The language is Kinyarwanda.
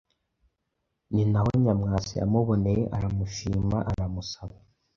ni na ho Nyamwasa yamuboneye aramushima aramusaba.